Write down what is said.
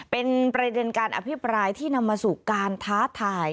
เป็นประเด็นการอภิปรายที่นำมาสู่การท้าทาย